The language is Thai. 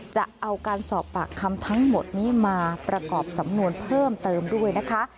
จะเอาการสอบปากคำทั้งหมดนี้มาประกอบสำนวนเพิ่มเติมด้วยนะคะ